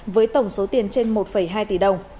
với tổng số tiền trên một hai tỷ đồng